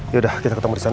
yaudah kita ketemu disana